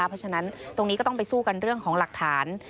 เพราะฉะนั้นตรงนี้ก็ต้องไปสู้กันเรื่องของหลักฐาน